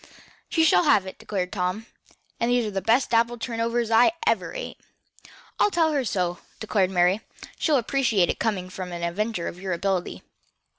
"She shall have it," declared Tom, "for those are the best apple turnovers I ever ate." "I'll tell her so," declared Mary. "She'll appreciate it coming from an inventor of your ability."